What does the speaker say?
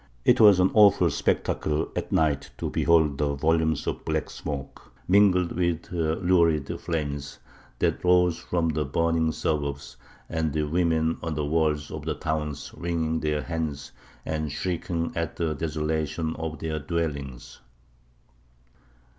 It was an awful spectacle at night to behold the volumes of black smoke, mingled with lurid flames, that rose from the burning suburbs, and the women on the walls of the towns wringing their hands and shrieking at the desolation of their dwellings."